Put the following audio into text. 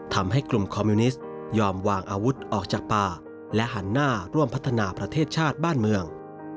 ทำให้กลุ่มคอมมิวนิสต์ยอมวางอาวุธออกจากป่าและหันหน้าร่วมพัฒนาประเทศชาติบ้านเมือง